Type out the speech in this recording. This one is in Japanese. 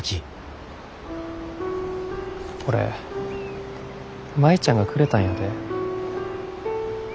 これ舞ちゃんがくれたんやで。